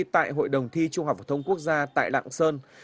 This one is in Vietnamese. tại hội đồng thi trung học phổ thông quốc gia tại lạng sơn